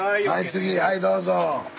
次はいどうぞ。